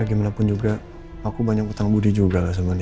ya gimana pun juga aku banyak ketang budi juga sama dia